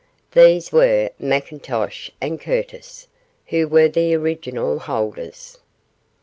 These were McIntosh and Curtis, who were the original holders.